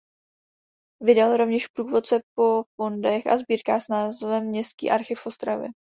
Vydal rovněž průvodce po fondech a sbírkách s názvem "Městský archiv v Ostravě".